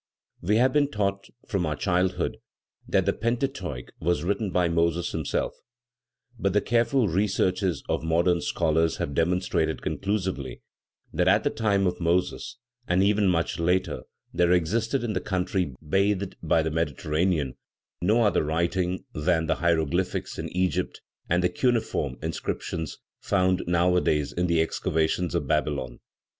We have been taught, from our childhood, that the Pentateuch was written by Moses himself, but the careful researches of modern scholars have demonstrated conclusively, that at the time of Moses, and even much later, there existed in the country bathed by the Mediterranean, no other writing than the hieroglyphics in Egypt and the cuniform inscriptions, found nowadays in the excavations of Babylon.